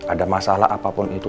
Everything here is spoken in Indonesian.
ada masalah apapun itu